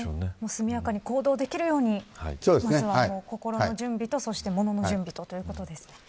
速やかに行動できるようにまずは心の準備と物の準備ということですね。